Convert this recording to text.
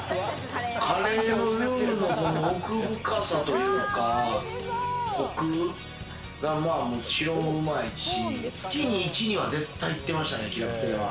カレーのルーの奥深さというか、コクがもちろんうまいし、月に１、２は絶対行ってましたね。